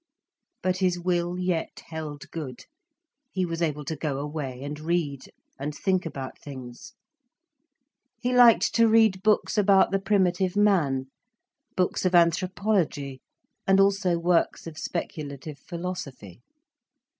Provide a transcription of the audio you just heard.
But his will yet held good, he was able to go away and read, and think about things. He liked to read books about the primitive man, books of anthropology, and also works of speculative philosophy.